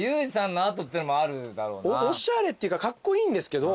おしゃれっていうかカッコイイんですけど。